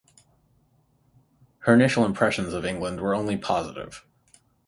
Her initial impressions of England were only positive.